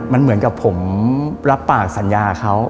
มันเหมือนกับผมรับปากสัญญาเขา